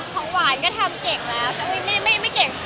ของหวานก็ทำเก่งแล้วก็ไม่เก่ง